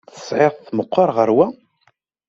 Tesɛiḍ-t meqqer ɣer wa?